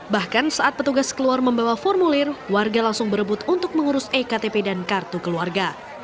bahkan saat petugas keluar membawa formulir warga langsung berebut untuk mengurus ektp dan kartu keluarga